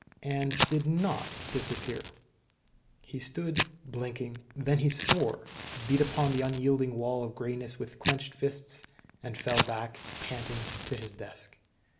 And did not disappear. He stood, blinking. Then he swore, beat upon the unyielding wall of grayness with clenched fists, and fell back, panting, to his desk.